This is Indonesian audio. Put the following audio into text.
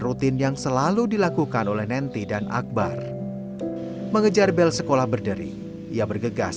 rutin yang selalu dilakukan oleh nenty dan akbar mengejar bel sekolah berderi ia bergegas